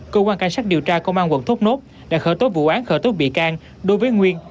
cơ quan cảnh sát điều tra công an quận thốt nốt đã khởi tố vụ án khởi tố bị can đối với nguyên